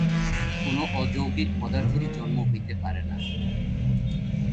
কোন অযৌগিক পদার্থেরই জন্ম হইতে পারে না।